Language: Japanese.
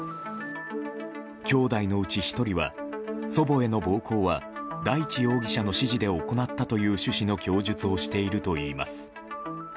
きょうだいのうち１人は祖母への暴行は大地容疑者の指示で行ったという趣旨の供述をしているということです。